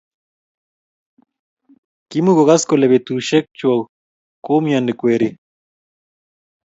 Kimokugas kole betushe chuk koumianik weriik.